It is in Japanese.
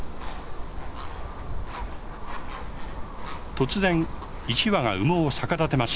突然一羽が羽毛を逆立てました。